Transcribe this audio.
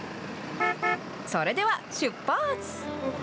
それでは出発！